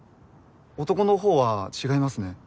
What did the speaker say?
男のほうは違いますね。